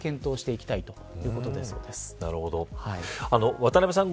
渡部さん